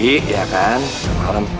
iya kan malam